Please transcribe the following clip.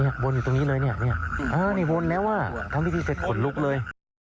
นี่บนอยู่ตรงนี้เลยนี่บนแล้วทำพิธีเสร็จขนลุกเลย